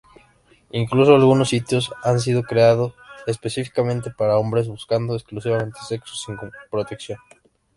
Incluso algunos sitios han sido creado específicamente para hombres buscando exclusivamente sexo sin protección.